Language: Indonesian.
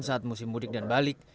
saat musim mudik dan balik